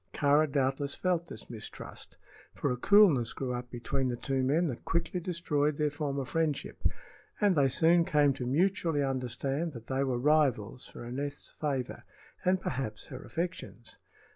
Kāra doubtless felt this mistrust, for a coolness grew up between the two men that quickly destroyed their former friendship, and they soon came to mutually understand that they were rivals for Aneth's favor, and perhaps her affections.